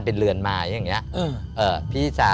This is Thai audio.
โปรดติดตามต่อไป